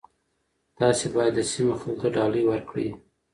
تاسي باید د سیمې خلکو ته ډالۍ ورکړئ.